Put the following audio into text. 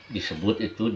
disebut itu jamong